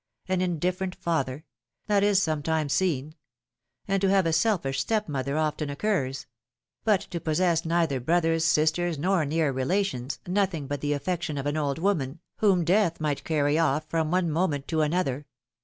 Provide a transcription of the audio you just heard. An indifferent father !— that is sometimes seen : and to have a selfish step mother often occurs; but to possess neither brothers, sisters, nor near relations, nothing but the affection of an old woman, whom Death might carry off from one moment to another!